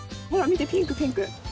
見てピンクピンク。